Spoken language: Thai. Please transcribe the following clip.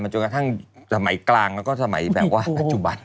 จนกระทั่งสมัยกลางแล้วก็สมัยแบบว่าปัจจุบัน